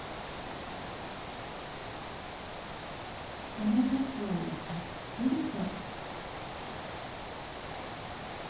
花かつおをたっぷりと。